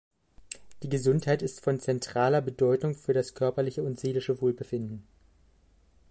Gute Gesundheit ist von zentraler Bedeutung für das körperliche und seelische Wohlbefinden.